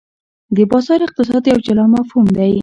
د بازار اقتصاد یو جلا مفهوم دی.